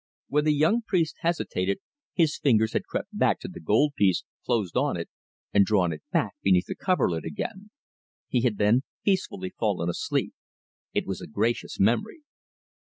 When the young priest hesitated, his fingers had crept back to the gold piece, closed on it, and drawn it back beneath the coverlet again. He had then peacefully fallen asleep. It was a gracious memory.